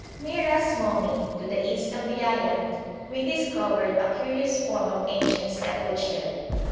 Near Ras Momi, to the east of the island, we discovered a curious form of ancient sepulture.